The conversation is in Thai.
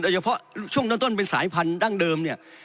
แต่เฉพาะช่วงต้นเป็นสายพันธุ์ดั้งเดิม